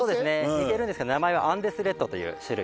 似てるんですけど名前はアンデスレッドという種類。